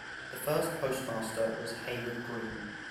The first postmaster was Hayward Green.